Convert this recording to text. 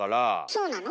そうなの？